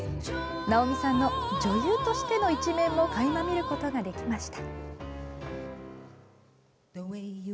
ナオミさんの女優としての一面もかいま見ることができました。